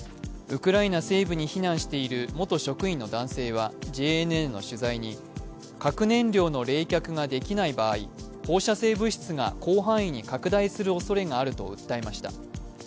ウクライナ西部に避難している元職員の男性はＪＮＮの取材に核燃料の冷却ができない場合、放射性物質が広範囲に拡大するおそれがあると訴えました。